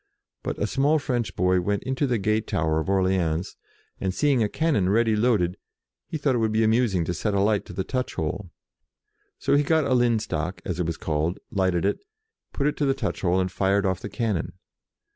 But a small French boy went into the gate tower of Orleans, and seeing a cannon ready loaded, 18 JOAN OF ARC he thought it would be amusing to set a light to the touch hole. So he got a lin stock, as it was called, lighted it, put it to the touch hole, and fired off the cannon.